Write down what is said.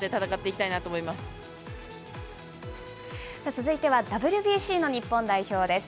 続いてはＷＢＣの日本代表です。